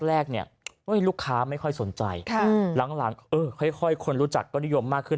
แรกเนี่ยลูกค้าไม่ค่อยสนใจหลังเออค่อยคนรู้จักก็นิยมมากขึ้น